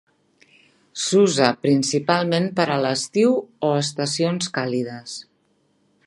S'usa principalment per a l'estiu o estacions càlides.